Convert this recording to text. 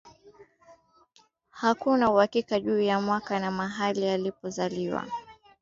Hakuna uhakika juu ya mwaka na mahali alikozaliwa Amin mwenyewe hakuandika kumbukumbu ya maisha